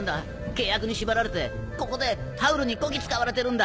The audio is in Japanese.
契約に縛られてここでハウルにこき使われてるんだ。